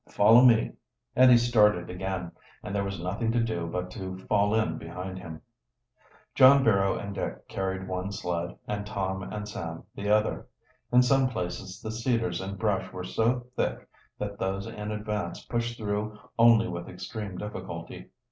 Follow me." And he started again, and there was nothing to do but to fall in behind him. John Barrow and Dick carried one sled, and Tom and Sam, the other. In some places the cedars and brush were so thick that those in advance pushed through only with extreme difficulty.